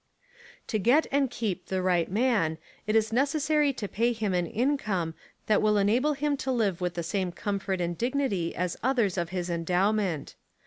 To get and keep the right man it is necessary to pay him an income that will enable him to live with the same comfort and dignity as others of his endowment.